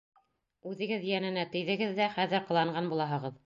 Үҙегеҙ йәненә тейҙегеҙ ҙә хәҙер ҡыланған булаһығыҙ!